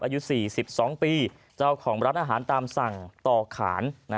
อายุ๔๒ปีเจ้าของร้านอาหารตามสั่งต่อขาน